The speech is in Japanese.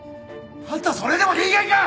あんたそれでも人間か！